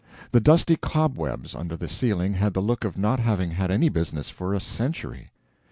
The dusty cobwebs under the ceiling had the look of not having had any business for a century.